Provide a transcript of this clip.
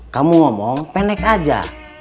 kamu ngomong pendek aja